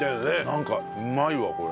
なんかうまいわこれ。